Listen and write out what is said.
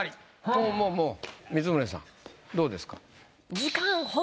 もうもうもう光宗さんどうですか？